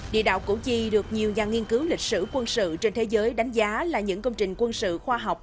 địa đạo củ chi được nhiều nhà nghiên cứu lịch sử quân sự trên thế giới đánh giá là những công trình quân sự khoa học